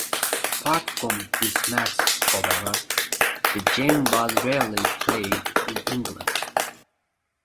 Apart from this match, however the game was rarely played in England.